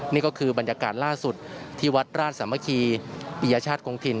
นี่ก็คือบรรยากาศล่าสุดที่วัดราชสามัคคีปิยชาติกงถิ่น